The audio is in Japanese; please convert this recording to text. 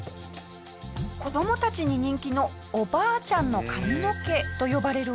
子供たちに人気の「おばあちゃんの髪の毛」と呼ばれるお菓子。